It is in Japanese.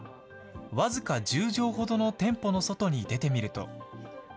僅か１０畳ほどの店舗の外に出てみると。